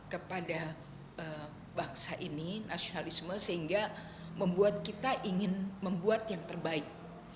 kepada bangsa ini nasionalisme sehingga membuat kita ingin membuat yang terbaik